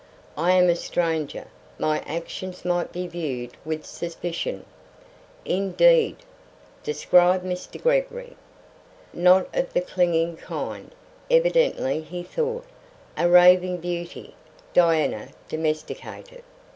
I am a stranger. My actions might be viewed with suspicion." "Indeed! Describe Mr. Gregory." Not of the clinging kind, evidently, he thought. A raving beauty Diana domesticated!